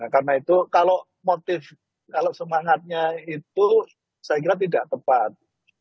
karena itu kalau motif kalau semangatnya itu saya kira tidak tepat